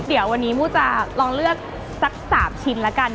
เดี๋ยววันนี้มู้จะลองเลือกสัก๓ชิ้นแล้วกัน